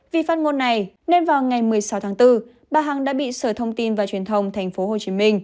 vì phát ngôn này nên vào ngày một mươi sáu tháng bốn bà hằng đã bị sở thông tin và truyền thông tp hcm